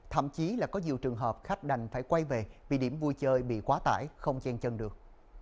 thậm chí là có nhiều trường hợp khách đành phải quay về vì điểm vui chơi bị quá tải không chen chân được